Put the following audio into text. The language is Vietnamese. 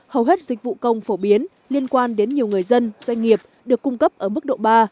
hầu hết dịch vụ công phổ biến liên quan đến nhiều người dân doanh nghiệp được cung cấp ở mức độ ba